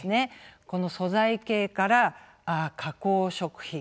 素材系から加工食品